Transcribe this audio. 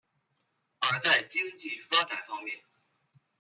而在经济发展方面。